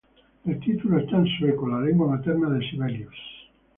El título está en sueco, la lengua materna de Sibelius.